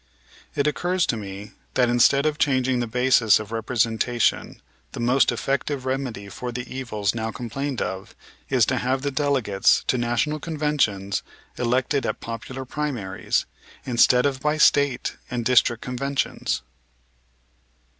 It occurs to me that instead of changing the basis of representation the most effective remedy for the evils now complained of is to have the delegates to National Conventions elected at popular primaries, instead of by State and district conventions.